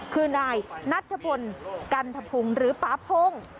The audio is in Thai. คือนายนัทพลกันธพุงหรือปาพง